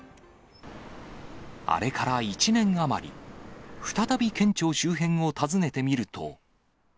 あれから１年余り、再び県庁周辺を訪ねてみると。